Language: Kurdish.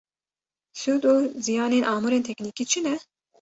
Sûd û ziyanên amûrên teknîkî çi ne?